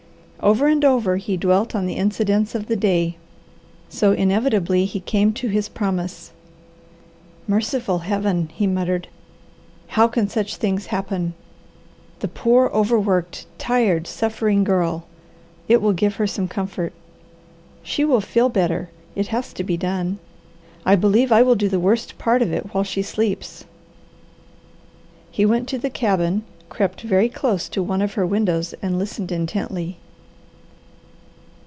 Over and over he dwelt on the incidents of the day, so inevitably he came to his promise. "Merciful Heaven!" he muttered. "How can such things happen? The poor, overworked, tired, suffering girl. It will give her some comfort. She will feel better. It has to be done. I believe I will do the worst part of it while she sleeps." He went to the cabin, crept very close to one of her windows and listened intently.